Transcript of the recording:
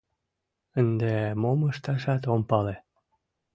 Ынде мом ышташат ом пале.